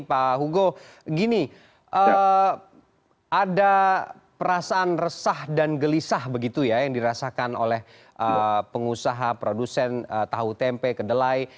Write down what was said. pak hugo gini ada perasaan resah dan gelisah begitu ya yang dirasakan oleh pengusaha produsen tahu tempe kedelai